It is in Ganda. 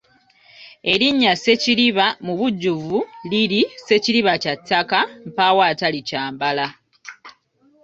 Erinnya Ssekiriba mubujjuvu liri Ssekiriba kya ttaka mpaawo atalikyambala.